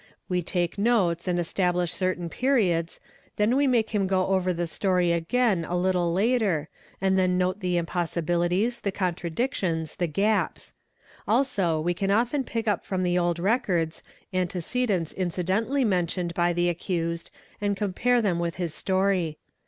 We take notes and estab . ish certain periods, then we make him go over the story again a little ra y er, and then note the impossibilities, the contradictions, the gaps; a iso we can often pick up from the old records, antecedents incidentally 'Mentioned by the accused and compare them with his story.